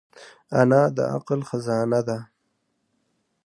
انا د عقل خزانه ده